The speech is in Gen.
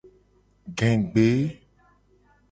Gegbe.